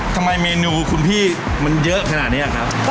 ทำไมเมนูคุณพี่มันเยอะขนาดนี้ครับ